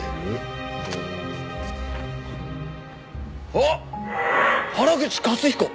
あっ「原口雄彦」！